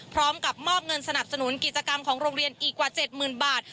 พร้อมกับมอบเงินสนับสนุนกิจกรรมของโรงเรียนอีกกว่า๗๐๐๐บาท